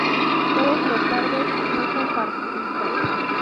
Todas los cargos son no partidistas.